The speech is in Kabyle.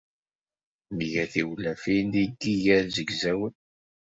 Nga tiwlafin deg yiger zegzawen.